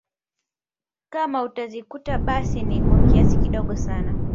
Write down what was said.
Kama utazikuta basi ni kwa kiasi kidogo sana